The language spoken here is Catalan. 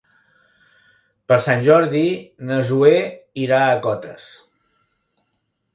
Per Sant Jordi na Zoè irà a Cotes.